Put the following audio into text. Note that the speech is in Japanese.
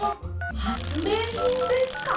はつめいひんですか？